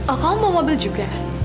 oh kamu mau mobil juga